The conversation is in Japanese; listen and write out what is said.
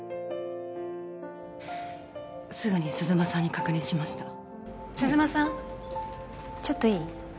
すぐに鈴間さんに確認しました鈴間さんちょっといい？